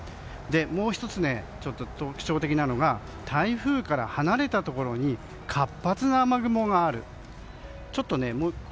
もう１つ、特徴的なのが台風から離れたところに活発な雨雲がある。